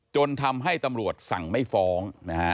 จนทำให้ตำรวจสั่งไม่ฟ้องนะฮะ